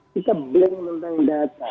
kita blank tentang data